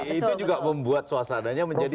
itu juga membuat suasananya menjadi